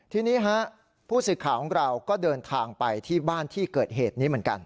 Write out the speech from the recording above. ทีนี้ฮะผู้สื่อข่าวของเราก็เดินทางไปที่บ้านที่เกิดเหตุนี้เหมือนกัน